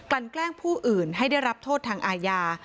แกล้งผู้อื่นให้ได้รับโทษทางอาญา